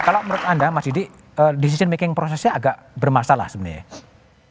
kalau menurut anda mas didi decision making prosesnya agak bermasalah sebenarnya